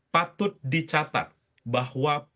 patut dicatat bahwa penyelidikan